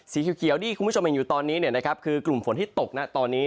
สีเขียวที่คุณผู้ชมเห็นอยู่ตอนนี้คือกลุ่มฝนที่ตกนะตอนนี้